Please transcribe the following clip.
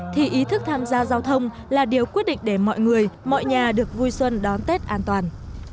thì ý thức tham gia giao thông là điều quyết định để mọi người mọi nhà được vui xuân đón tết an toàn